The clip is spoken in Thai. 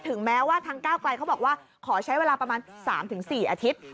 แม้ว่าทางก้าวไกลเขาบอกว่าขอใช้เวลาประมาณ๓๔อาทิตย์